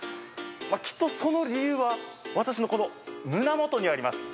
きっと、その理由は私のこの胸元にあります。